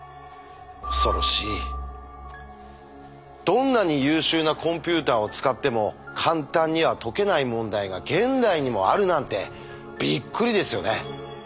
どんなに優秀なコンピューターを使っても簡単には解けない問題が現代にもあるなんてびっくりですよね。